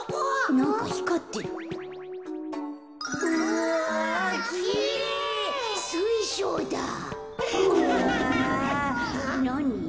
なに？